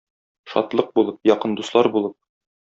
Шатлык булып, якын дуслар булып